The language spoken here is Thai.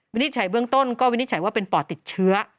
นิจฉัยเบื้องต้นก็วินิจฉัยว่าเป็นปอดติดเชื้อ